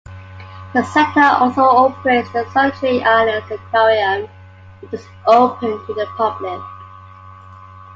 The Centre also operates the Solitary Islands Aquarium which is open to the public.